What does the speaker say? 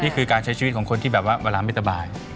นี่คือการใช้ชีวิตของคนที่แบบว่าเวลาไม่สบาย